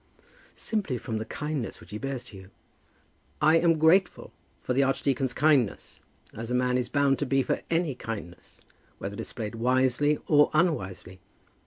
"Simply from the kindness which he bears to you." "I am grateful for the archdeacon's kindness, as a man is bound to be for any kindness, whether displayed wisely or unwisely.